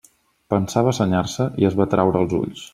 Pensava senyar-se i es va traure els ulls.